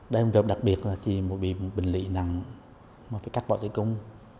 đây là một trường hợp đặc biệt là chỉ một bệnh lĩ nặng mà phải cắt bỏ tử cung